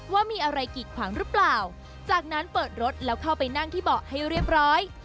ว่ามีอะไรกีดขวางหรือเปล่าจากนั้นเปิดรถแล้วเข้าไปนั่งที่เบาะให้เรียบร้อย